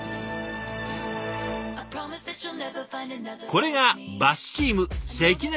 これがバスチーム